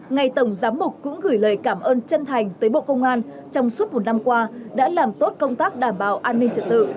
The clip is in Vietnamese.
ngài tổng giám mục cũng gửi lời cảm ơn chân thành tới bộ công an trong suốt một năm qua đã làm tốt công tác đảm bảo an ninh trật tự